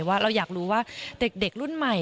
ว่าเราอยากรู้ว่าเด็กรุ่นใหม่